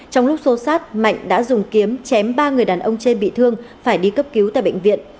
trong lúc xô sát mạnh đã dùng kiếm chém ba người đàn ông trên bị thương phải đi cấp cứu tại bệnh viện